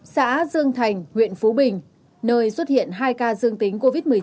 xã dương thành huyện phú bình nơi xuất hiện hai ca dương tính covid một mươi chín